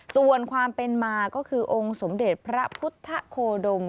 ส่วนความเป็นมาก็คือองค์สมเด็จพระพุทธโคดม